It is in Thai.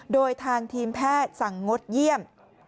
โดยทางทีมแพทย์สั่งงดเยี่ยม